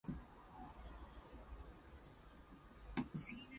Since that time, the rail tracks have been dismantled.